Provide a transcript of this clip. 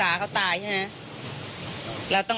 เลขทะเบียนรถจากรยานยนต์